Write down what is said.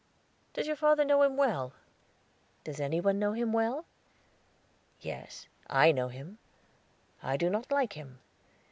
Does your father know him well?" "Does any one know him well?" "Yes, I know him. I do not like him.